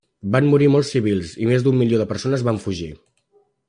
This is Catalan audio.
Van morir molts civils i més d'un milió de persones van fugir.